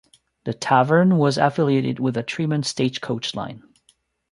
The tavern was affiliated with the Tremont Stagecoach Line.